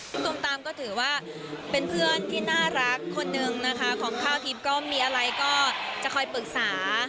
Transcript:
ตูมตามก็ถือว่าเป็นเพื่อนที่น่ารักคนนึงนะคะของข้าวทิพย์ก็มีอะไรก็จะคอยปรึกษา